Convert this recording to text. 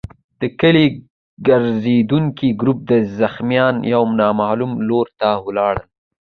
د کلي ګرزېدونکي ګروپ زخمیان يو نامعلوم لور ته وړل.